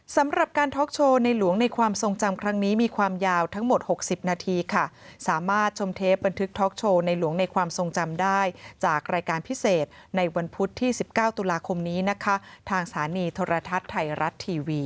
สำหรับการท็อกโชว์ในหลวงในความทรงจำครั้งนี้มีความยาวทั้งหมด๖๐นาทีค่ะสามารถชมเทปบันทึกท็อกโชว์ในหลวงในความทรงจำได้จากรายการพิเศษในวันพุธที่๑๙ตุลาคมนี้นะคะทางสถานีโทรทัศน์ไทยรัฐทีวี